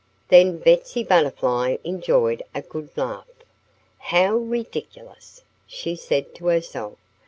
Then Betsy Butterfly enjoyed a good laugh. "How ridiculous!" she said to herself.